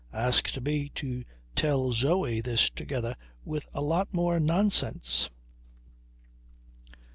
Asked me to tell Zoe this together with a lot more nonsense."